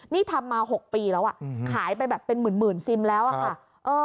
นี่ทำมา๖ปีแล้วขายไปแบบเป็นหมื่นซิมแล้วอะค่ะ